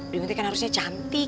duyung teh kan harusnya serem gitu loh